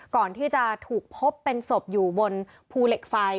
ก่อนที่จะถูกพบเป็นศพอยู่บนภูเหล็กไฟ